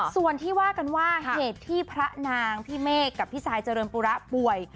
ส่วนที่ว่ากันว่าเหตุที่พระนางพี่เมฆกับพี่ซายเจริญปุระป่วย